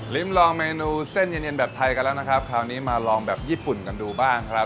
ลองเมนูเส้นเย็นเย็นแบบไทยกันแล้วนะครับคราวนี้มาลองแบบญี่ปุ่นกันดูบ้างครับ